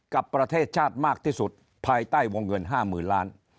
กับประเทศชาติมากที่สุดภายใต้วงเงิน๕๐๐๐ล้าน